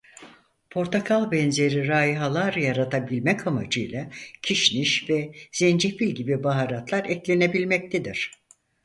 Portakal benzeri rayihalar yaratabilmek amacıyla kişniş ve zencefil gibi baharatlar eklenebilmektedir.